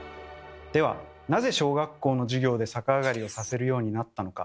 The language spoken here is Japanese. ではなぜ小学校の授業で逆上がりをさせるようになったのか。